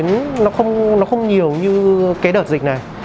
nó không nhiều như cái đợt dịch này